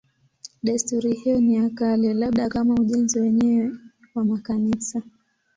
Desturi hiyo ni ya kale, labda kama ujenzi wenyewe wa makanisa.